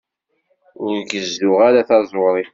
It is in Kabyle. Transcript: Ur gezzuɣ ara taẓuri.